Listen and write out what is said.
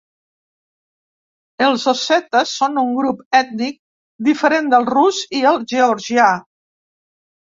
Els ossetes són un grup ètnic diferent del rus i el georgià.